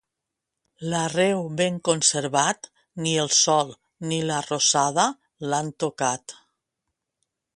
L'arreu ben conservat, ni el sol ni la rosada l'han tocat.